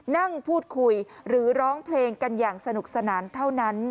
นั่งพูดคุยหรือร้องเพลงกันอย่างสนุกสนานเท่านั้น